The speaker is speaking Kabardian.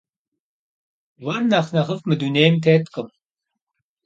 Уэр нэхъ нэхъыфӏ мы дунейм теткъым.